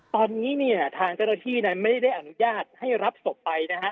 ตอนนี้เนี่ยทางเจ้าหน้าที่นั้นไม่ได้อนุญาตให้รับศพไปนะฮะ